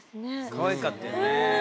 かわいかったよね。